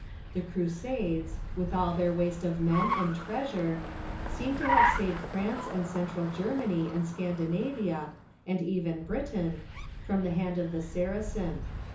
The Crusades, with all their waste of men and treas ure, seem to have saved France and Central Germany and Scandinavia, and even Britain, from the hand of the Saracen.